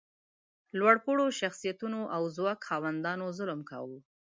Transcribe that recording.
لوړ پوړو شخصیتونو او ځواک خاوندانو ظلم کاوه.